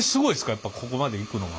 やっぱここまでいくのは。